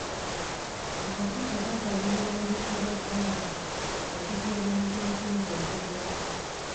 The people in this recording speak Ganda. Akakiiko kasaba ebiwandiiko bya bbanka okuteebereza ensimbi ezibulako.